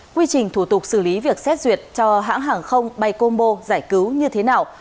quy trình thủ tục xử lý việc xét duyệt cho hãng hàng không bay combo giải cứu như thế nào